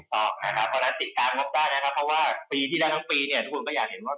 ติดตามก็ได้นะครับเพราะว่าปีที่แรกทั้งปีทุกคนก็อยากเห็นว่า